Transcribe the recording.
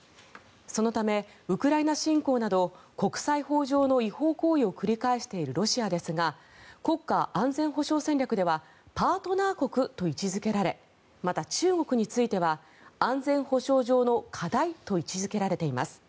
そのためウクライナ侵攻など国際法上の違法行為を繰り返しているロシアですが国家安全保障戦略ではパートナー国と位置付けられまた中国については安全保障上の課題と位置付けられています。